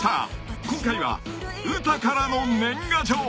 ［今回はウタからの年賀状］